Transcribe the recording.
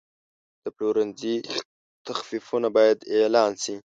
د پلورنځي تخفیفونه باید اعلان شي.